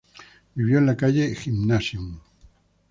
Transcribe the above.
Vivió en la calle Gymnasium.